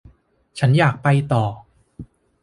ฉันอยากไปต่อ